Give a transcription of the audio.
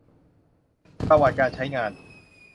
ประวัติการใช้งาน